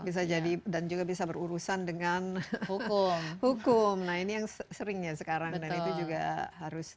bisa jadi dan juga bisa berurusan dengan hukum hukum nah ini yang seringnya sekarang dan itu juga harus